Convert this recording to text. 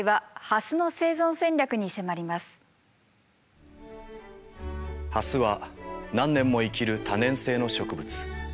ハスは何年も生きる多年生の植物。